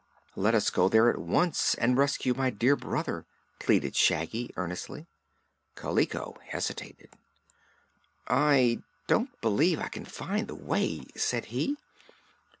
"Let us go there at once and rescue my dear brother," pleaded Shaggy earnestly. Kaliko hesitated. "I don't believe I can find the way," said he.